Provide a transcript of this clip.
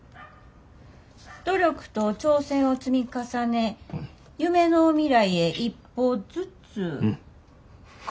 「努力と挑戦を積み重ね夢の未来へ一歩ずつ」か。